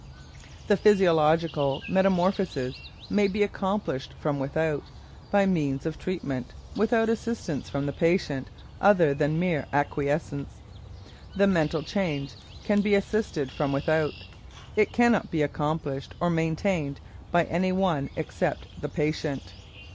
The physiological metamorphosis may be accomplished from without, by means of treatment, without assistance from the patient other than mere acquiescence. The mental change can be assisted from without; it cannot be accomplished or maintained by any one except the patient.